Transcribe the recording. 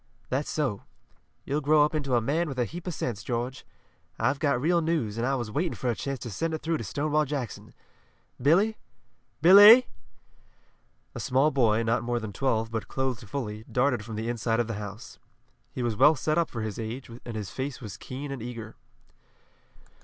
"That's so. You'll grow up into a man with a heap of sense, George. I've got real news, and I was waiting for a chance to send it through to Stonewall Jackson. Billy! Billy!" A small boy, not more than twelve, but clothed fully, darted from the inside of the house. He was well set up for his age, and his face was keen and eager.